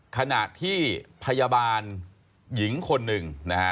ขณะที่พยาบาลหญิงคนหนึ่งนะฮะ